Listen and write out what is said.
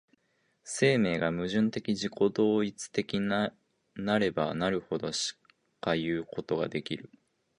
生命が矛盾的自己同一的なればなるほどしかいうことができる。